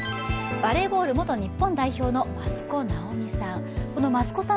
バレーボール元日本代表の益子直美さん。